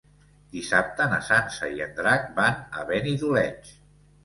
Dissabte na Sança i en Drac van a Benidoleig.